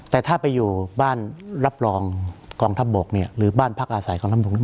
แต่ถ้าไปอยู่บ้านรับรองกองทัพบกเนี่ยหรือบ้านพักอาศัยของลำนุง